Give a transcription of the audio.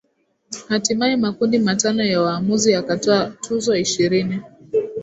Hatimae makundi matano ya waamuzi yakatoa tuzo ishirini